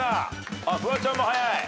あっフワちゃんも早い。